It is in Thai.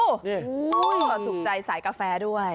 ขอสุขใจสายกาแฟด้วย